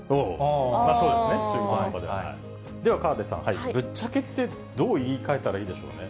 では、河出さん、ぶっちゃけって、どう言い換えたらいいでしょうね。